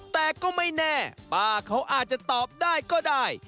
แต่ก็ไม่แน่ป้าเขาอาจจะตอบได้ก็ได้